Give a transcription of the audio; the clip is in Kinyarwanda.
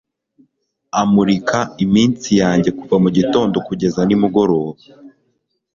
Amurika iminsi yanjye kuva mugitondo kugeza nimugoroba